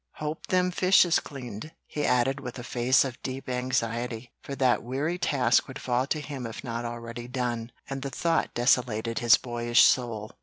Hope them fish is cleaned?" he added with a face of deep anxiety; for that weary task would fall to him if not already done, and the thought desolated his boyish soul.